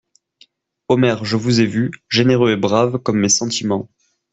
Omer, je vous ai vu, généreux et brave comme mes sentiments.